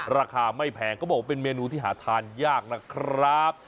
ราคาไม่แพงก็บอกว่าเป็นเมนูที่หาทานยากนะครับ